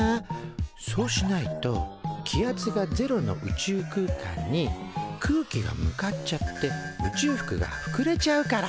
そうしないと気圧がゼロの宇宙空間に空気が向かっちゃって宇宙服がふくれちゃうから。